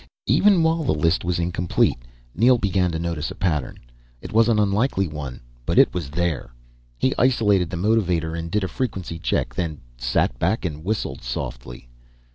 Even while the list was incomplete, Neel began to notice a pattern. It was an unlikely one, but it was there. He isolated the motivator and did a frequency check. Then sat back and whistled softly.